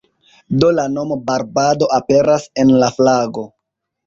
Do la nomo "Barbado" aperas en la flago.